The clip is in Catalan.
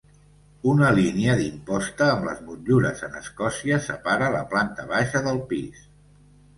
Una línia d'imposta amb les motllures en escòcia separa la planta baixa del pis.